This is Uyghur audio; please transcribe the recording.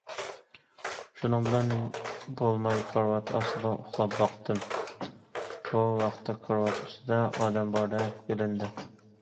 شۇنىڭ بىلەن بولماي كارىۋات ئاستىدا ئۇخلاپ باقتىم، بۇ ۋاقىتتا كارىۋات ئۈستىدە ئادەم باردەك بىلىندى.